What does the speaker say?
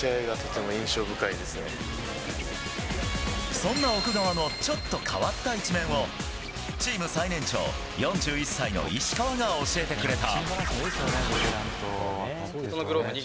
そんな奥川のちょっと変わった一面をチーム最年長４１歳の石川が教えてくれた。